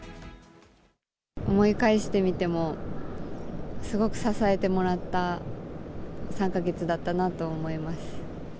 思い返してみても、すごく支えてもらった３か月だったなと思います。